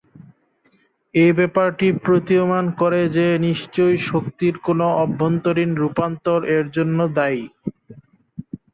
এ ব্যাপারটি প্রতীয়মান করে যে নিশ্চয়ই শক্তির কোনো অভ্যন্তরীণ রূপান্তর এর জন্য দায়ী।